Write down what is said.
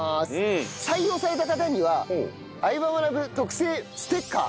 採用された方には『相葉マナブ』特製ステッカー